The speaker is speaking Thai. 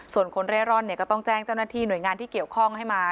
ส่วนคนเร่ร่อนก็ต้องแจ้งเจ้าหน้าที่หน่วยงานที่เกี่ยวข้องให้มา